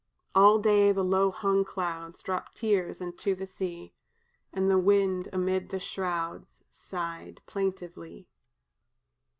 "All day the low hung clouds Dropped tears into the sea, And the wind amid the shrouds Sighed plaintively."